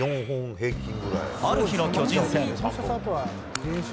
ある日の巨人戦。